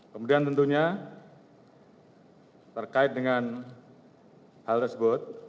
kemudian tentunya terkait dengan hal tersebut